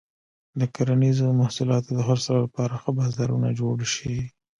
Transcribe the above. د کرنیزو محصولاتو د خرڅلاو لپاره ښه بازارونه جوړ شي.